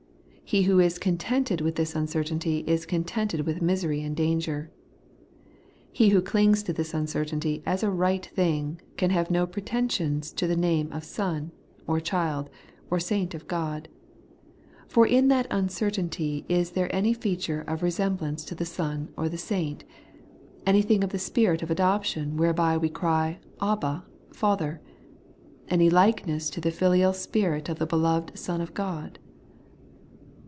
He who is contented with this uncertainty is contented with misery and danger. He who clings to this • uncertainty as a right thing, can have no pretensions to the name of son, or child, or saint of God : for in that uncer tainty is there any feature of resemblance to the son or the saint; anything of the spirit of adoption, whereby we cry, Abba, Father ; any likeness to the filial spirit of the beloved Son of God